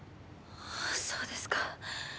ああそうですか。